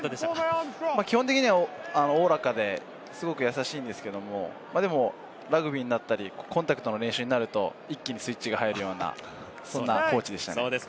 基本的にはおおらかで、すごく優しいんですけど、でも、ラグビーになったり、コンタクトの練習になると一気にスイッチが入るような、そんなコーチでした。